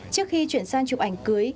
trước khi chuyển sang chụp ảnh cưới